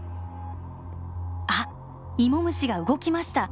あイモムシが動きました。